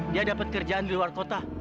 dia dapat kerjaan di luar kota